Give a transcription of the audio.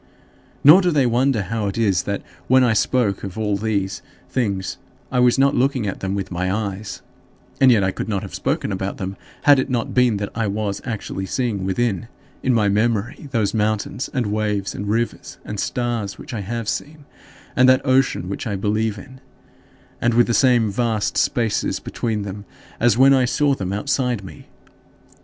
Nor do they wonder how it is that, when I spoke of all these things, I was not looking at them with my eyes and yet I could not have spoken about them had it not been that I was actually seeing within, in my memory, those mountains and waves and rivers and stars which I have seen, and that ocean which I believe in and with the same vast spaces between them as when I saw them outside me.